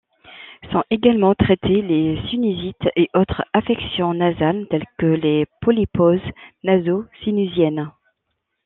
Sont également traitées les sinusites et autres affections nasales telles que les polyposes naso-sinusiennes.